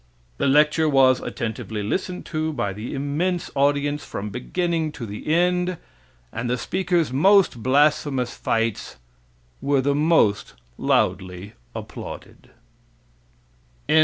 The lecture was attentively listened to by the immense audience from beginning to the end, and the speaker's most blasphemous fights were the most loudly applauded.